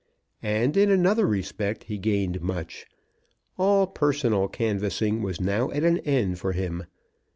And in another respect he gained much. All personal canvassing was now at an end for him.